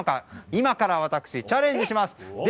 今から私チャレンジします。